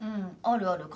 あるある。